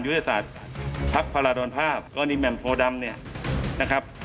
ยุธศาสตร์ภักดิ์พาระดอนภาพก็นิมแหมมโพดำ